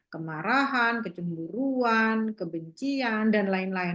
kemarahan kecemburuan kebencian dan lain lain